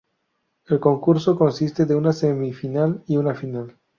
El concurso consiste de una semifinal y una final.